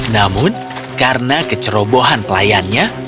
namun karena kecerobohan pelayannya